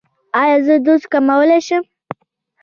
ایا زه دوز کمولی شم؟